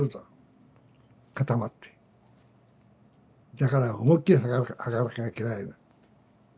だから思いっきり吐かなきゃいけないの。